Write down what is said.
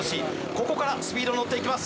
ここからスピード乗っていきます